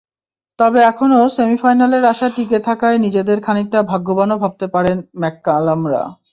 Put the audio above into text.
তবে এখনো সেমিফাইনালের আশা টিকে থাকায় নিজেদের খানিকটা ভাগ্যবানও ভাবতে পারেন ম্যাককালামরা।